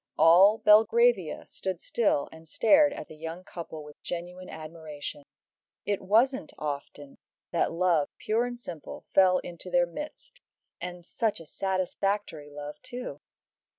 All Belgravia stood still and stared at the young couple with genuine admiration. It wasn't often that love, pure and simple, fell into their midst, and such a satisfactory love too!